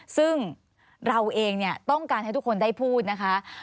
ซึ่งเราเองต้องการให้ทุกคนได้พูดนะคะ